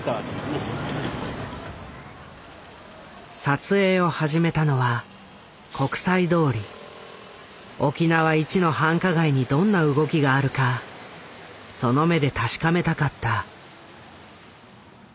撮影を始めたのは沖縄一の繁華街にどんな動きがあるかその目で確かめたかった。